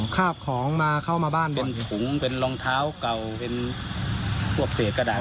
คาบของมาเข้ามาบ้านเป็นถุงเป็นรองเท้าเก่าเป็นพวกเศษกระดาษ